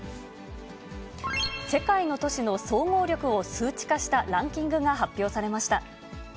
世界の都市の総合力を数値化したランキングが発表されました。